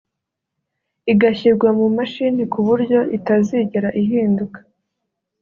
igashyirwa mu mashini ku buryo itazigera ihinduka